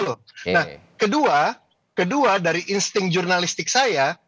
nah kedua kedua dari insting jurnalistik saya